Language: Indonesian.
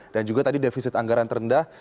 dan juga tadi defisit anggaran terendah